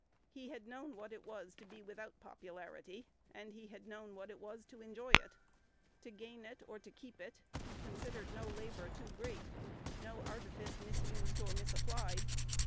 He had known what it was to be without popularity, and he had known what it was to enjoy it. To gain it or to keep it, he considered no labor too great, no artifice misused or misapplied.